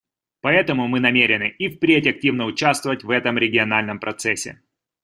Поэтому мы намерены и впредь активно участвовать в этом региональном процессе.